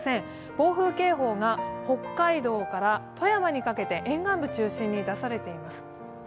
暴風警報が北海道から富山にかけて、沿岸部中心に出されています。